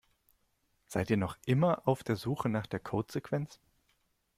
Seid ihr noch immer auf der Suche nach der Codesequenz?